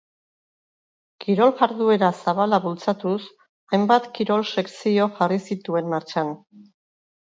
Kirol jarduera zabala bultzatuz, hainbat kirol sekzio jarri zituen martxan.